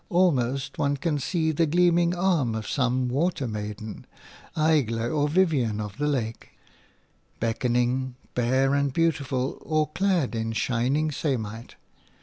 Almost one can see the gleaming arm of some water maiden – Aigle or Vivian of the Lake – beckoning, bare and beautiful, or clad in shining samite.